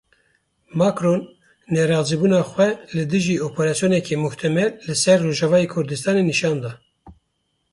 Macron nerazîbûna xwe li dijî operasyoneke muhtemel li ser Rojavayê Kurdistanê nîşan da.